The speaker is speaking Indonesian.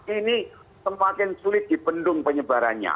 ini semakin sulit dipendung penyebarannya